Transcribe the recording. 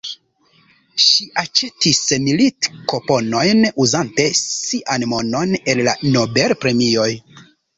Ŝi aĉetis milit-kuponojn, uzante sian monon el la Nobel-premioj.